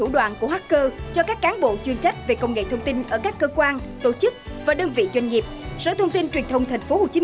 đúng rồi đúng rồi đúng rồi